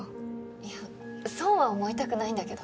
いやそうは思いたくないんだけど。